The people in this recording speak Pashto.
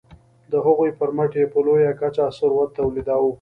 د هغوی پرمټ یې په لویه کچه ثروت تولیداوه.